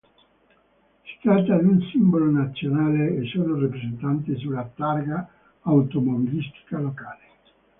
Si tratta di un simbolo nazionale, e sono rappresentate sulla targa automobilistica locale.